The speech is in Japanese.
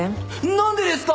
何でですか！？